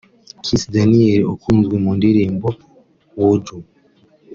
Kiss Daniel ukunzwe mu ndirimbo ‘Woju’